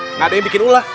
enggak ada yang bikin ulah